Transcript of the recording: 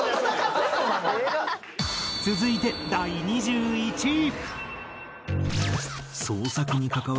続いて第２１位。